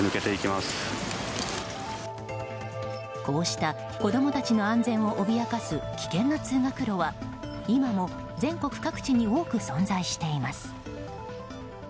こうした子供たちの安全を脅かす危険な通学路は今も全国各地に多く存在しています。